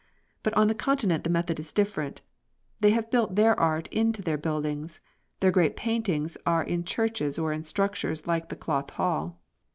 But on the Continent the method is different. They have built their art into their buildings; their great paintings are in churches or in structures like the Cloth Hall.